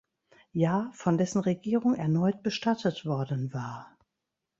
Jahr von dessen Regierung erneut bestattet worden war.